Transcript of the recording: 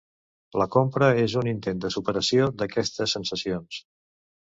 La compra és un intent de superació d'aquestes sensacions.